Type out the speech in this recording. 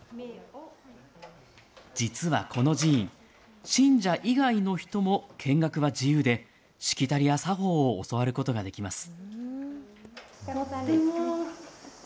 実は、この寺院、信者以外の人も見学は自由でしきたりや作法を教わることができます。